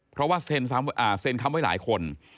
เพราะว่าเซ็นคำไว้หลายคน